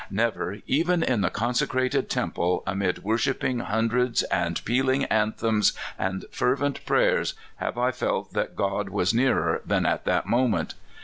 Never, even in the con secrated temple, amid vrorshiping hundreds, and pealing anthems, and fervent prayers, have I felt that God was nearer than at that moment.